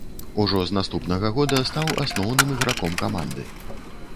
Ужо з наступнага года стаў асноўным іграком каманды.